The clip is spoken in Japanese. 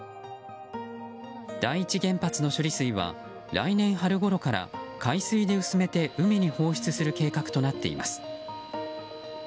第一原発の処理水は来年春ごろから海水で薄めて、海に放出する計画となっています。